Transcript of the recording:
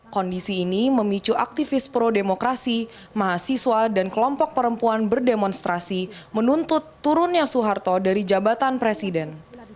kondisi ini memicu aktivis pro demokrasi mahasiswa dan kelompok perempuan berdemonstrasi menuntut turunnya soeharto dari jabatan presiden